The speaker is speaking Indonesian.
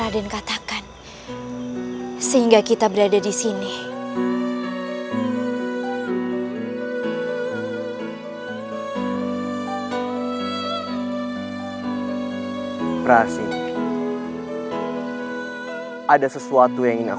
dan aku tidak ingin seseorang mendengarnya